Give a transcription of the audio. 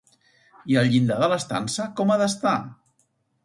I el llindar de l'estança com ha d'estar?